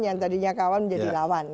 yang tadinya kawan menjadi lawan